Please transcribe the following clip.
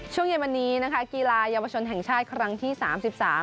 ช่วงเย็นวันนี้นะคะกีฬาเยาวชนแห่งชาติครั้งที่สามสิบสาม